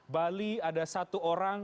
bali ada satu orang